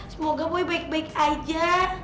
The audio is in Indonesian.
semoga gue baik baik aja